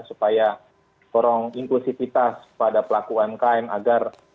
supaya kurang inklusifitas pada pelaku umkm agar